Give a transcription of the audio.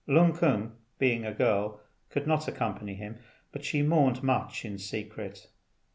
Lung kung, being a girl, could not accompany him, but she mourned much in secret.